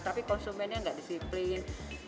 tapi konsumennya nggak disiplin